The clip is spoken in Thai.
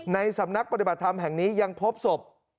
ในสำนักปฏิบัติธรรมแห่งนี้ยังพบศพ